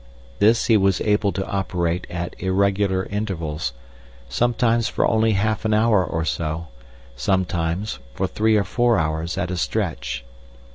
This he was able to operate at irregular intervals: sometimes for only half an hour or so, sometimes for three or four hours at a stretch.